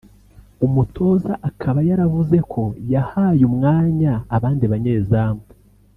Umutoza akaba yaravuze ko yahaye umwanya abandi banyezamu